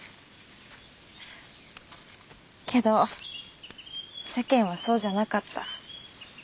けど世間はそうじゃなかった。